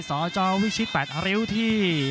สจวิชิต๘ริ้วที่